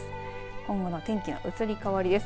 今後の天気の移り変わりです。